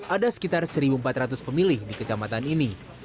ada sekitar satu empat ratus pemilih di kecamatan ini